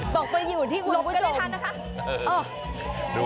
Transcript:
ตกไปอยู่ที่หลบก็ได้ทันนะคะ